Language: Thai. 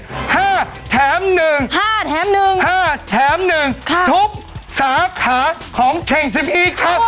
ห้าแถมหนึ่งห้าแถมหนึ่งห้าแถมหนึ่งค่ะทุกสาขาของเชงสิบอีครับ